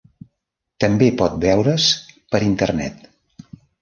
També pot veure's per Internet.